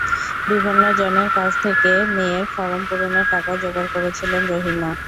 বিভিন্ন জনের কাছ থেকে মেয়ের ফরম পূরণের টাকাও জোগাড় করেছিলেন রহিমা।